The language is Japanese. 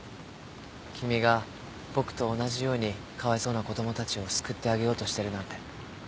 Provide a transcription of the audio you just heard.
君が僕と同じようにかわいそうな子供たちを救ってあげようとしてるなんて